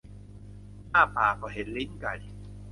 อ้าปากก็เห็นลิ้นไก่